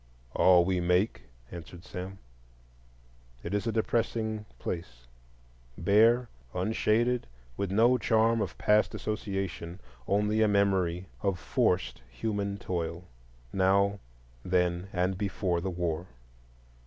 "All we make," answered Sam. It is a depressing place,—bare, unshaded, with no charm of past association, only a memory of forced human toil,—now, then, and before the war.